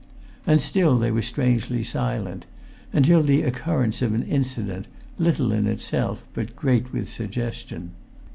And still they were strangely silent, until the occurrence of an incident, little in itself, but great with suggestion.